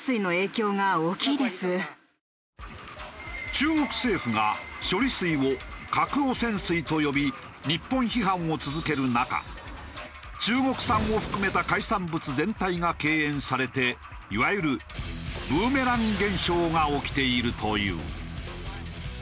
中国政府が処理水を「核汚染水」と呼び日本批判を続ける中中国産を含めた海産物全体が敬遠されていわゆるブーメラン現象が起きているという。